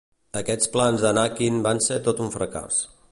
Aquests plans d'Anakin van ser tot un fracàs.